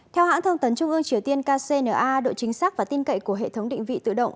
theo hãng thông tấn trung ương triều tiên kcna độ chính xác và tin cậy của hệ thống định vị tự động